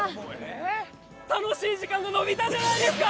楽しい時間が延びたじゃないですか！